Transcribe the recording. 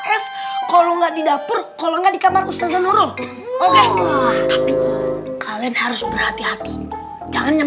aku pengali perhatian sambil ngambil kuncinya